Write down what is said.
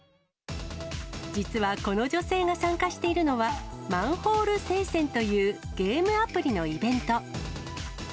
実はこの女性が参加しているのは、マンホール聖戦という、ゲームアプリのイベント。